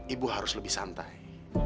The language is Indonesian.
ibu harus lebih santai